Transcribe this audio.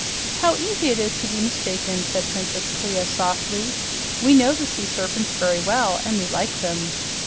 "How easy it is to be mistaken," said Princess Clia softly. "We know the sea serpents very well, and we like them."